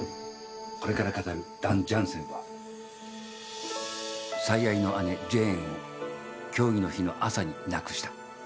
これから語るダンジャンセンは最愛の姉ジェーンを競技の日の朝に亡くした。